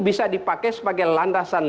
bisa dipakai sebagai landasan